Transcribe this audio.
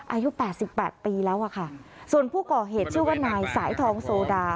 อายุ๘๘ปีแล้วอ่ะค่ะส่วนผู้ก่อเหตุชื่อว่านายสายทองโสดา